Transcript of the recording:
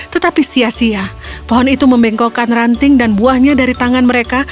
tetapi sia sia pohon itu membengkokkan ranting dan buahnya dari tangan mereka